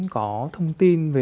có thông tin về